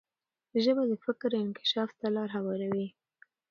ژبه د فکر انکشاف ته لار هواروي.